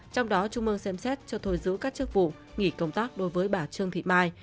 trong đó trung mương xem xét cho thôi giữ các chức vụ nghỉ công tác đối với bà trương thị mai